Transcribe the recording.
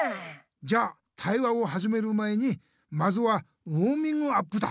じゃあ対話をはじめる前にまずはウォーミングアップだ。